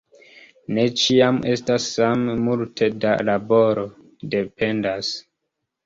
Ne ĉiam estas same multe da laboro; dependas.